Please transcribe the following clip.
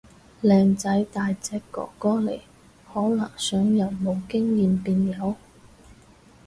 靚仔大隻哥哥嚟，可能想由冇經驗變有